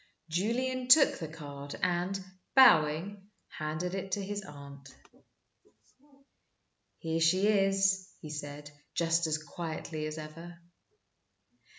Julian took the card, and, bowing, handed it to his aunt. "Here she is," he said, just as quietly as ever.